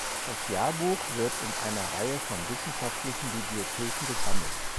Das Jahrbuch wird in einer Reihe von wissenschaftlichen Bibliotheken gesammelt.